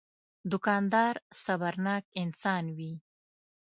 دوکاندار صبرناک انسان وي.